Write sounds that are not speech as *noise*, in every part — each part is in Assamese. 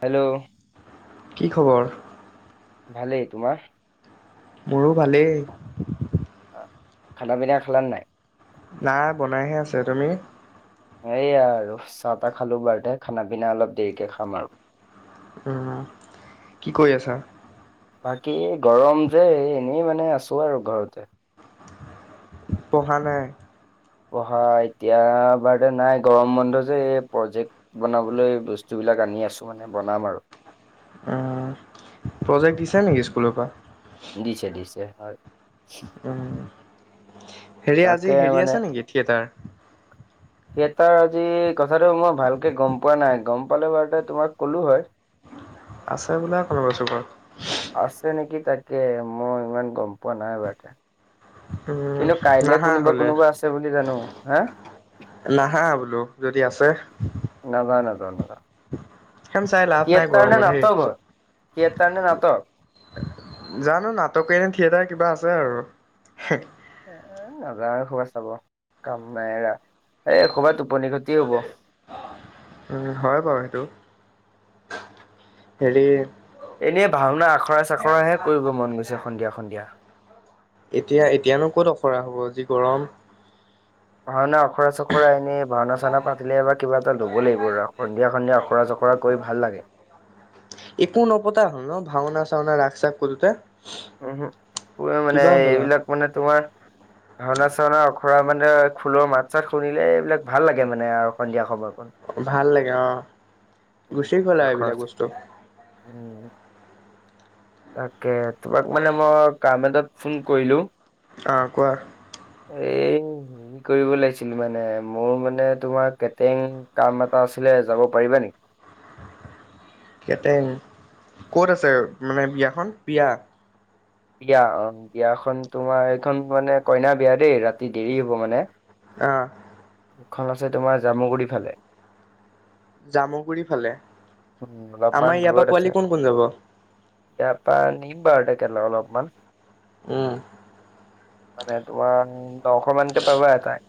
হেল্ল' কি খবৰ? ভালেই, তোমাৰ? মোৰো ভালেই খানা পিনা খালা নাই? নাই বনাইহে আছে তুমি সেয়া আৰু চাহ তাহ খালো বাৰুতে খানা পিনা অলপ দেৰিকে খাম আৰু উম কি কৰি আছা। বাকী গৰম যে এই এনেই মানে আছো আৰু ঘৰতে পহা নাই। পহা এতিয়া বাৰ নাই গৰম বন্ধ যে এই প্ৰজেক্ট বনাবলৈ বস্তু বিলা এইবিলাক আনি আছো মানে বনাম আৰু উম প্ৰজেক্ট দিছে নেকি স্কুলৰ পৰা দিছে দিছে হয়। উম, হেৰি তাকে আজি হেৰি আছে নেকি থিয়েটাৰ থিয়েতাৰ আজি কথাটো মই ভালকে গম পোৱা নাই গম পালে বাৰু তোমাক কলো হয়। আছে বোলা কৰ *unintelligible* কৈছ ঘৰত আছে নেকি তাকে মই ইমান গম পোৱা নাই বাকে উম, কিন্তু কাইলে নাহা কোনোবা হ'লে। কোনোবা আছে বুলি জানো হা নাহা বোলো যদি আছে। নাজাও নাজাও নাজাও। এইখন চাই লাভ নাই গৰমত সেই থিয়েটাৰ নে নাটক জানো নাটক নে থিয়েটাৰ কিবা আছে। সেটোৱে আৰু এ নাজাও আখৰা চাব কাম নাই এৰা এ খবাত টোপনি ক্ষতি হ'ব। উম হয় বাৰু সেইটো হেৰি এনেই ভাওনা আখৰা চাখৰাহে কৰিব মন গৈছে সন্ধিয়া সন্ধিয়া এতিয়া এতিয়ানো ক'ত আখৰা হ'ব যি গৰম ভাওনা আখৰা চখৰা এনেই ভাওনা চাওনা পাতিলে এবাৰ কিবা এটা ল'ব লাগিব আৰু সন্ধিয়া সন্ধিয়া আখৰা চখ ৰাকৈ ভাল লাগে একো নপতা হল ন ভাওনা চাওনা ৰাখ চাখ কৰোতে উহো পুৰা মানে কিবা হ'লা? এইবিলাক মানে তোমাৰ ভাওনা চাওনা অখৰা মানে খোলৰ মাত চাত শুনিলে এইবিলাক ভাল লাগে মানে আৰু সন্ধিয়া সময়ত ভাল লাগে অ উম গুচি গল আৰু আখৰা এইবিলাক বস্তু উম তাকে তোমাক মানে মই কাম এটাত ফোন কৰিলো অ কোৱা *unintelligible* কৰিব লাগিছিল মানে মোৰ মানে তোমাৰ কেটেং কাম এটা আছিলে যাব পাৰিবা নি কেটেং কত আছে মানে বিয়াখন বিয়া বিয়া অ বিয়াখন তোমাৰ এইখন মানে কইনা বিয়া দেই ৰাতি দেৰি হ'ব মানে অ এইখন আছে তোমাৰ জামুগুৰি ফালে জামুগুৰি ফালে উম আমাৰ অলপমান ইয়াৰ পৰা দূৰত আছে পোৱালি কোন কোন যাব ইয়াৰ পা আনিম ঘৰতে খেলো অলপমান উম মানে তোমাৰ দশ মানকে পাবা এটা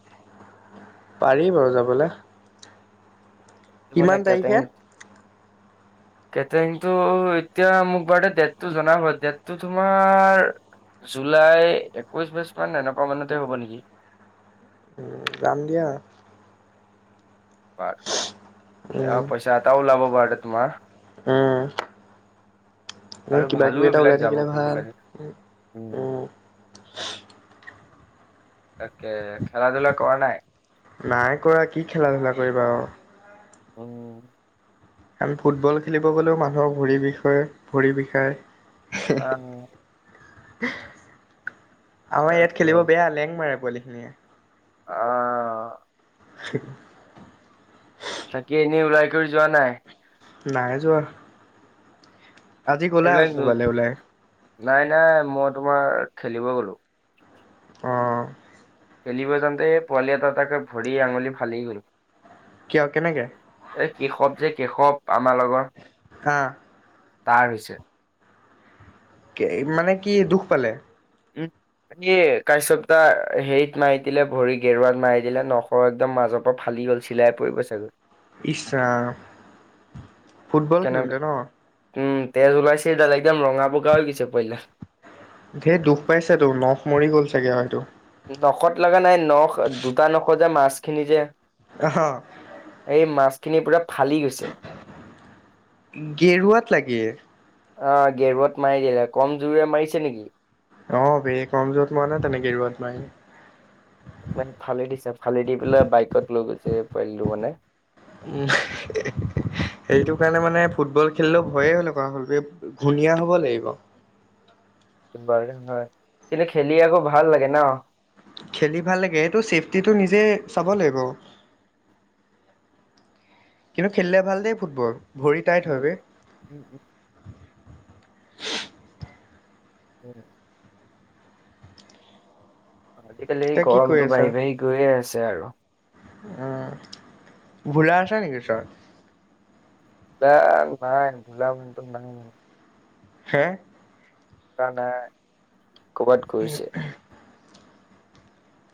পাৰি বাৰু যাবলে মানে কিমান কেতেং তাৰিখে *inaudible* কেটাৰিংটো এতিয়া মোক বাৰু দে ডেটটো জনাবা হয় ডেটটো তোমাৰ। জুলাই একৈশ বাইছ মান এনেকুৱা মানতে হ'ব নেকি। উম যাম দিয়া। উম বাৰ পইচাটাও ওলাব পাৰে তোমাৰ। উম। এনে আৰু কিবা ভালো কিবি এটা ওলাই এইবিলাক যাব থাকিলে কৰিব ভাল লাগে উম উম, ওম। তাকে খেলা ধূলা কৰা নাই। নাই কৰা কি খেলা ধূলা কৰিবা আৰু ওম। আমি ফুটবল খেলিব গ'লেও মানুহৰ ভৰি বিষ ভৰি বিষায়। অ। আমাৰ ইয়াত তাকে খেলিব বেয়া লেং মাৰে পোৱালি খিনিয়ে। অ। হি। চাকি এনেই ওলাই কৰি যোৱা নাই। নাই যোৱা। আজি গ'লা এইবিলাক ক'বালৈ ওলাই। নাই নাই মই তোমাৰ খেলিব গলোঁ। অ। খেলিব যওঁতে এই পোৱালি এটা তাকে ভৰি আঙুলি ফালি গ'ল। কিয় কেনেকে এই কেশৱ যে কেশৱ আমাৰ লগৰ। অ। তাৰ হৈছে। মানে কি দুখ পালে। ওম। এই কাশ্যপ্তটা হেৰিত মাৰি দিলে ভৰি গেৰুৱাত মাৰি দিলে নখৰ একদম মাজত পৰা ফালি। কি হ'ল চিলাই পৰিব চাগৈ। ইচ ৰাম ফুটবল কেনে খেলোতে ন। উম তেজ ওলাইছেডাল একদম ৰঙা বগা হৈ গৈছে পোৱালীটা। ধেৰ দুখ পাইছে তোৰ নখ মৰি গ'ল চাগে হয়তো। নখত লগা নাই নখ দুটা নখত যে মাছখিনি যে। আহ এই মাছখিনি পুৰা। ফালি গৈছে। গেৰুৱাত লাগে। অ গেৰুৱাত মাৰি দিলে কম জোৰে মাৰিছে নেকি। অ বে কম জোৰত মৰা নাই তেনেকে গিৰুৱাত নাই। মানে ফালেদিছে ফালে দি পেলাই বাইকত লৈ গৈছে পোৱালীটো মানে। উম হি হি। সেইটো কাৰণে মানে ফুটবল খেলিলেও ভয়ে হ'ল আকৌ হল ধুনীয়া হব লাগিব। বাৰধান হয় কিন্তু খেলি আকৌ ভাল লাগে ন। খেলি ভাল লাগে এইটো চেফটিটো নিজে চাব লাগিব। কিন্তু খেলিলে ভাল দেই ফুটবল ভৰি টাইট উম, হয়গৈ। উম, উম, *unintelligible* উম। আজিকালি এই তই কি কৰি গৰমতটো আছা বাঢ়ি বাঢ়ি গৈয়ে আছে আৰু। উম ভুলাছা নেকি ওচৰত। নাই ভাই ভোলা মানুহ টো নাই। হে। ভোলা নাই ক'বাত গৈছে।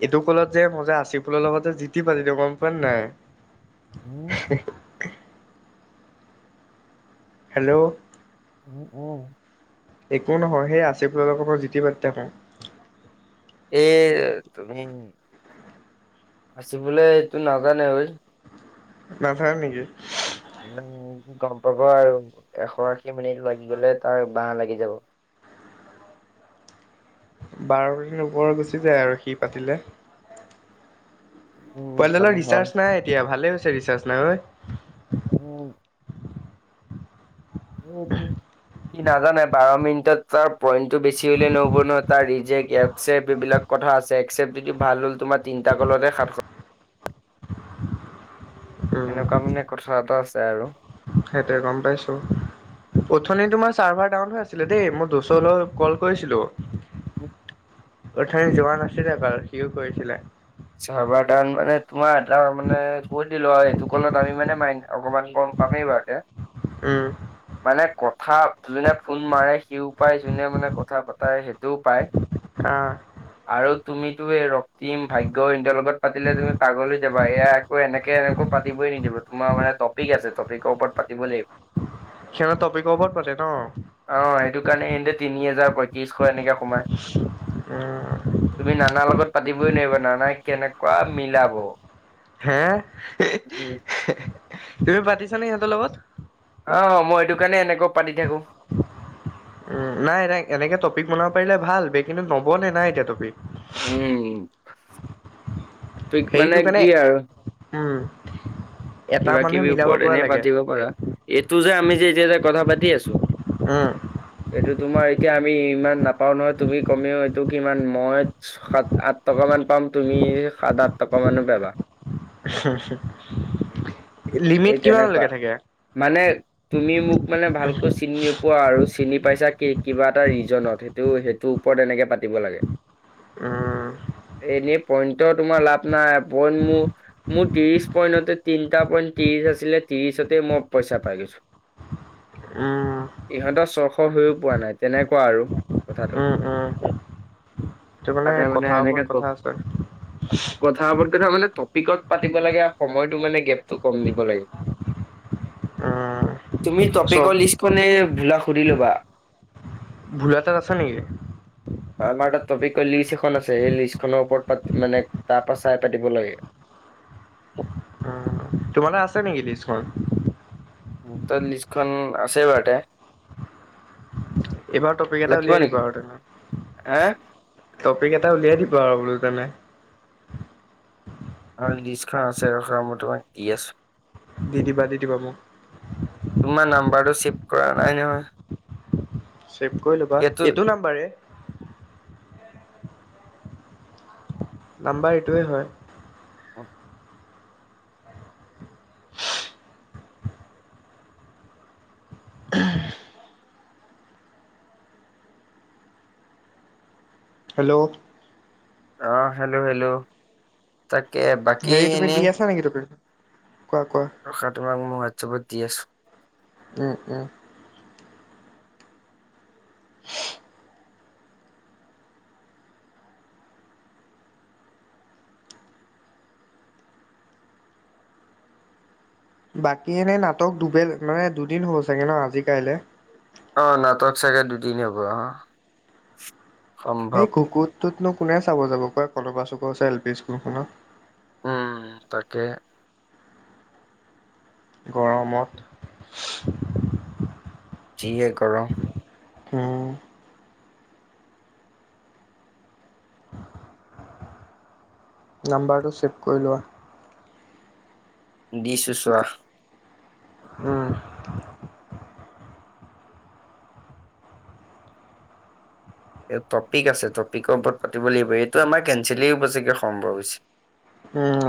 এইটো কলত যে মই যে আচিফুলৰ লগত যে জি তি পাতা দিওঁ গম পোৱা নে নাই। উম *unintelligible* হেল্ল' উম উম একো নহয় সেই আছে বোনালোকৰ মই জিতি এই তুমি নাচিবলৈ এইটো নাজানা ঐ নাজানে নেকি গম পাব আৰু এশ আশী মিনিট লাগি গলে তাৰ বাঁহ লাগি যাব *inaudible* বাৰ মিনিট ওপৰৰ গুচি যায় আৰু সি পাতিলে উম, পোৱালী ভাল দালৰ ভাল। ৰিচাৰ্জ নাই এতিয়া ভালে হৈছে ৰিচাৰ্জ নাই ঐ উম উম উম সি নাজানে বাৰ মিনিটত তাৰ পইণ্টটো বেছি হ'লে নহ'ব ন তাৰ ৰিজেক্ট একচেক্ট এইবিলাক কথা আছে একচেপ্ত যদি ভাল হ'ল তোমাৰ তিনিটা কলতে সাতশ *unintelligible* উম এনেকুৱা মানে কথা এটা আছে আৰু সেইটোৱে গম পাইছোঁ প্ৰথম তোমাৰ চাৰ্ভাৰ ডাউন হৈ আছিলে দেই মই দচৰ ল কল কৰিছিলো অথনি যোৱা নাছিলে কৰোলে সিও কৰিছিলে চাৰ্ভাৰ দান মানে তোমাৰ এটা মানে সেইটো কলত আমি মানে মাই অকণমান গম পামেই বাৰু উম মানে কথা যোনে ফোন মাৰে সিও পায় যোনে মানে কথা পাতাই সেইটোও পায় আ আৰু তুমিতো এই ৰক্তিম ভাগ্য ইটৰ লগত পাতিলে তুমি পাগল এয়া একৌ এনেকে এনেকো পাতিই নিদিব তোমাৰ মানে টপিক আছে টপিকৰ ওপৰত পাতিব লাগিব। সিহঁতৰ টপিকৰ ওপৰত পাতে ন? অ সেইটো কাৰণে এনে তিনি হাজাৰ পয়ত্ৰিশ এনেকে উম তুমি নানা লগত পাতি বই লাগিব নানাই কেনেকুৱা মিলাব হে তুমি পাতিছানে সিহঁতৰ লগত অ মই সেইটো কাৰণে এনেকৈ পাতি থাকো উম নাই এ এনেকে টপিক বনাব পাৰিলে ভাল বে কিন্তু নবনে না এতিয়া টপিক *unintelligible* পিক সেইটো মানে কাৰণে কি আৰু উম, এটা কিবা মানুহে কিবি মিলাব ওপৰত পৰা এনেই লাগে পাতিব পাৰা এইটো যে আমি যে এতিয়া কথা পাতি আছো উম এইটো তোমাৰ এতিয়া আমি ইমান নাপাওঁ নহয় তুমি কমেও এইটো কি ইমান মই সাত আঠ টকা মান পাম তুমি সাত আঠ টকা মানো পাবা *unintelligible* এই লিমিট তেনেকুৱা কিমানলৈকে থাকে মানে তুমি মোক মানে ভালকৈ চিনি নোপোৱা আৰু চিনি পাইছা কিবা এটা ৰিজনত সেইটো সেইটোৰ ওপৰত এনেকে পাতিব লাগে উম এনেই পইণ্টৰ তোমাৰ লাভ নাই পইন্ট মোৰ মোৰ ত্ৰিশ পইন্টতে তিনিটা পইণ্ট ত্ৰিশ আছিলে ত্ৰিশতে মই পইচা পাই গৈছো উম, ইহঁতৰ ছশ হৈও পোৱা নাই তেনেকুৱা আৰু কথাটো উ তাতে মানে এনেকে কওঁ আছে। কথা মানে টপিকত পাতিব লাগে সময়টো মানে গেপটো কম দিব লাগে উম তুমি চব টপিকৰ লিষ্টখনে ভোলাক সুধি ল'বা ভুল এটাত আছো নেকি। আমাৰ এটা টপিক লিষ্ট এখন আছে সেই লিষ্ট খনৰ ওপৰত মানে তাৰ পৰা চাই পাতিব লাগে অ তোমালে আছে নেকি তিছখন। তাত লিষ্টখন আছে বাৰু তে। এইবাৰ টপিক এটা উলিয়াই দিব আৰু তেনে হা? টপিক এটা উলিয়াই দিব আৰু বোলো তেনে আৰু লিষ্টখন আছে ৰখ ম তোমাক দি আছো দি দিবা দি দিবা মোক নম্বৰটো ছেভ কৰা নাই নহয় ছেভ কৰি ল'বা এইটো নাম্বাৰে। নাম্বাৰ এইটোৱেই হয়। অ হেল্ল' অ হেল্লো হেল্লো তাকে বাকী হেৰি তুমি দি এনেই আছা নেকি টপিক? কোৱা কোৱা তোমাক মই হোৱাটছএপত দি আছো উম উম। বাকী এনে নাটক দুবেল মানে দুদিন হল চাগে ন আজি কাইলে। আহ নাটক চাগে দুদিন হ'ব আহ। সেই কুকুত টোতনো কোনে চাব যাব ক কলা চুক আছে এল পি স্কুলখনত। উম তাকে গৰমত যিহে গৰম। হম। নাম্বাৰটো ছেভ কৰি লোৱা। দিছোঁ চোৱাহ উম। এই টপিক আছে টপিকৰ ওপৰত পাতিব লাগিব এইটো আমাৰ কেনচেলে হব চাগে সম্ভৱ হৈছে।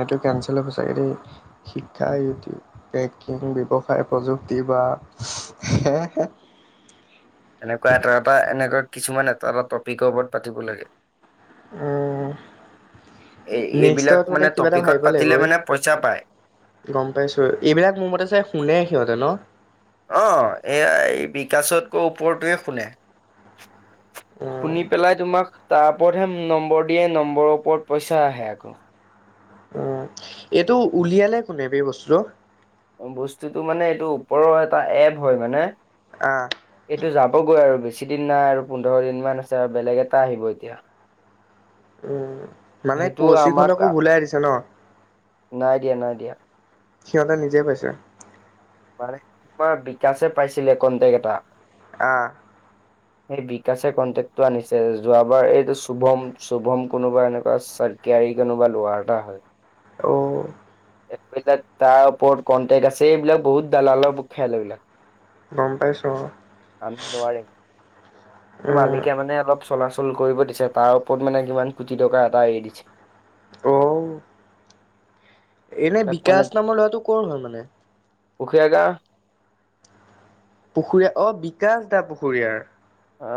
এইটো কেঞ্চেল হ'ব চাগে দেই শিক্ষা উম, ইউটি পেকিং ব্যৱ প্ৰযুক্তি বা এনেকুৱা এটা এটা এনেকুৱা কিছুমান এটা এটা টপিকৰ ওপৰত পাতিব লাগে। উম এই নেক্সট এইবিলাক ত মানে কিবা এটা টপিকত ভাবিব পাতিলে লাগিবই মানে পইচা পায়। ৰে গম পাইছো এইবিলাক মোৰ মতে যে শুনে সিহঁতে ন। অ এইয়া এই বিকাশতকৈ ওপৰটোৱে শুনে। উম শুনি পেলাই তোমাক। তাৰ ওপৰতহে নম্বৰ দিয়ে নম্বৰৰ ওপৰত পইচা আহে আকৌ। উম এইটো উলিয়ালে কোনে বে বস্তুটো। বস্তুটো মানে এইটো ওপৰৰ এটা এপ হয় মানে আহ এইটো যাবগৈ আৰু বেছি বেছি দিন নাই আৰু পোন্ধৰ দিন মান আছে আৰু বেলেগ এটা আহিব এতিয়া। উ মানে সেইটো আমাক কচিকহত কো ওলাই দিছে ন। নাই দিয়া নাই দিয়া। সিহঁতে নিজে পাইছে। মানে তোমাৰ বিকাশে পাইছিলে কনটেক এটা আহ স বিকাশে কনটেকটো আনিছে যোৱাবাৰ এইটো শুভম শুভম কোনোবা এনেকুৱা কেয়াৰি কোনোবা লোৱাৰ এটা হয়। অ' এইবিলাক তাৰ ওপৰত কণ্টেক্ট আছে এইবিলাক বহুত দালালৰ খেল এইবিলাক। গম পাইছোঁ অ'। আমি নোৱাৰি উম, মালিকে মানে অলপ চলাচল কৰিব দিছে তাৰ ওপৰত মানে কিমান কোটি টকা এটা এৰি দিছে। অ এনে তাক মানে বিকাশ নামৰ ল'ৰাটো কৰ হয় মানে। পুখুৰীয়া পুখুৰীয়া অ বিকাশ দা পুখুৰীয়াৰ। অ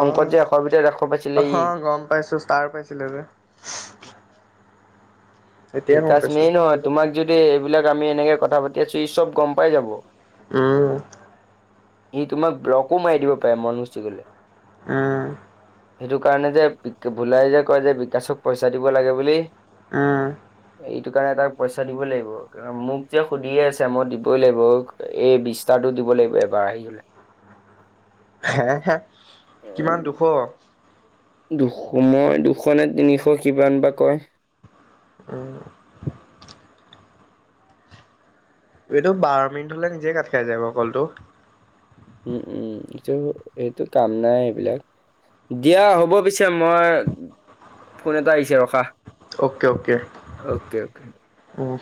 অংকত যে এশবিধখ আহ গম পাইছো ষ্টাৰ পাইছিলে যে এতিয়া গম বিকাশ পাইছোঁ। মেইন হয় তোমাক যদি এইবিলাক আমি এনেকে কথা পাতি আছো ই চব গম পাই যাব। উম সি তোমাক ব্লকো মাৰি দিব পাৰে মনচি গলে, উম সেইটো কাৰণে যে ভোলাই কয় যে বিকাশক পইচা দিব লাগে বুলি হম এইটো কাৰণে তাক পইচা দিব লাগিব মোক যে সুধিয়ে আছে মই দিবই লাগিব এই বিশটা সিহঁতক দিব লাগিব এবাৰ আহি কিনে হে হে কিমান দুশ মই দুশ নে তিনিশ কিমান বা কয়? উম্ এইটো বাৰ মিনিট হলে নিজে কাট খাই যায় ক কলটো। উম উম এইটো এইটো কাম নাই এইবিলাক দিয়া হ'ব পিছে মই ফোন এটা আহিছে ৰখা। Okay okay okay okay. উম